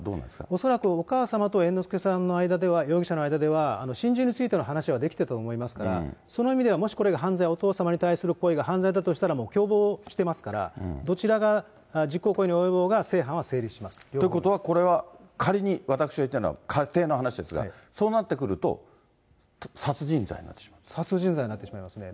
おそらくお母様と猿之助さんの間では、容疑者の間では、心中に関する話はできてたと思いますから、その意味ではもしこれが、お父様に対する行為が犯罪だとしたら、もう共謀してますから、どちらが実行に及ぼうが、ということはこれは、仮に、私が言ってるのは仮定の話ですが、そうなってくると、殺人罪になっ殺人罪になってしまいますね。